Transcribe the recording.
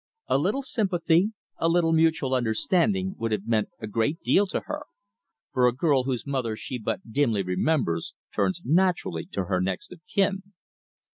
A little sympathy, a little mutual understanding would have meant a great deal to her, for a girl whose mother she but dimly remembers, turns naturally to her next of kin.